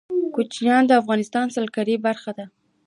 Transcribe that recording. کوچیان د افغانستان د سیلګرۍ برخه ده.